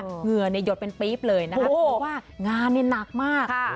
เหงื่อหยดเป็นปี๊บเลยนะคะเพราะว่างานเนี่ยหนักมาก